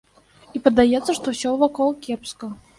І падаецца, што ўсё вакол кепска.